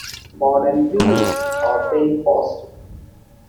Modern reviews are very positive.